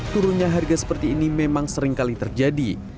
turunnya harga seperti ini memang seringkali terjadi